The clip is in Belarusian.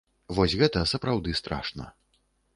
Вось гэта сапраўды страшна.